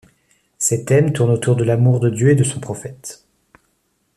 Ses thèmes tournent autour de l'amour de Dieu et de son Prophète.